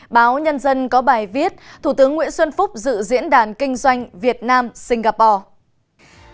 báo nhân dân có bài viết thủ tướng nguyễn xuân phúc dự diễn đàn kinh doanh việt nam singapore